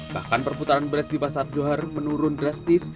bahkan perputaran beras di pasar johar menurun drastis